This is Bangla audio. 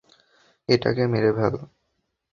এটাকে মেরে ফেল।